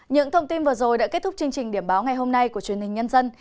những thông tin vừa rồi đã kết thúc chương trình điểm báo ngày hôm nay của truyền hình nhân dân